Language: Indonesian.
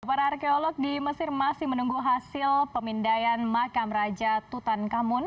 para arkeolog di mesir masih menunggu hasil pemindaian makam raja tutan kamun